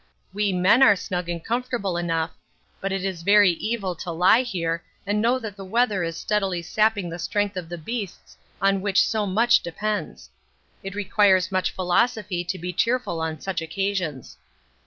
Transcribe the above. We men are snug and comfortable enough, but it is very evil to lie here and know that the weather is steadily sapping the strength of the beasts on which so much depends. It requires much philosophy to be cheerful on such occasions.